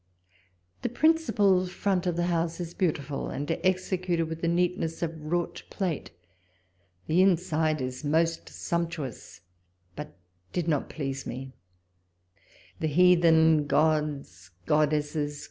The principal front of the house is beautiful, and executed with the neatness of wrought plate ; the inside is most sumptuous, but did not please me ; the heathen gods, goddesses.